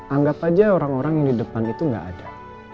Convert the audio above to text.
anggap aja orang orang yang di depan itu nggak ada